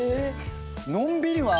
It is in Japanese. のんびりは。